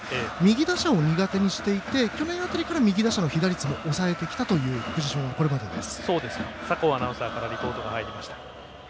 右打者を苦手にしていて去年から右打者の被打率も抑えてきたというこれまでです。